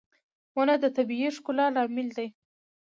• ونه د طبيعي ښکلا لامل دی.